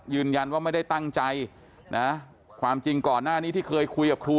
ยืนยันว่าไม่ได้ตั้งใจนะความจริงก่อนหน้านี้ที่เคยคุยกับครู